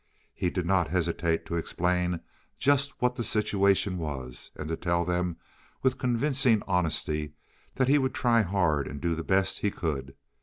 He did not hesitate to explain just what the situation was, and to tell them with convincing honesty that he would try hard and do the best he could.